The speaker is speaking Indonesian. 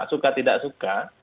suka tidak suka